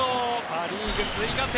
パ・リーグ、追加点。